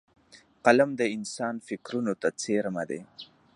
قلم د انسان فکرونو ته څېرمه دی